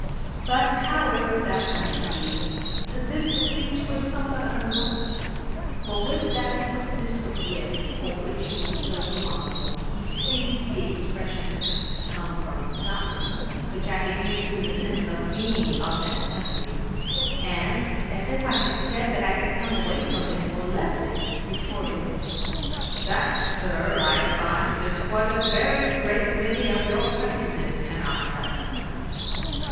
But however that might be, this speech was somewhat unlucky; for with that quickness of wit for which he was so remarkable, he seized the expression 'come from Scotland,' which I used in the sense of being of that country; and, as if I had said that I had come away from it, or left it, retorted, 'That, Sir, I find, is what a very great many of your countrymen cannot help.'